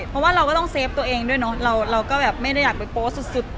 เพราะว่าเราก็ต้องเซฟตัวเองด้วยเนอะเราก็แบบไม่ได้อยากไปโพสต์สุด